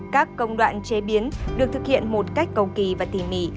các công đoạn chế biến được thực hiện một cách cầu kỳ và tỉ mỉ